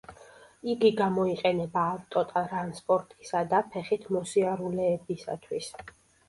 იგი გამოიყენება ავტოტრანსპორტისა და ფეხით მოსიარულეებისათვის.